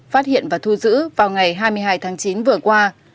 phát hiện và thu giữ vào ngày hai mươi hai tháng chín vừa qua